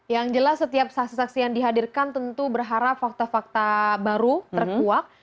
yang jelas setiap saksi saksi yang dihadirkan tentu berharap fakta fakta baru terkuak